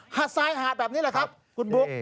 ทรายหาดแบบนี้แหละครับคุณบุ๊ค